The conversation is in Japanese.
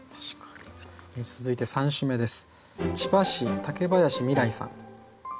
続いて３首目です。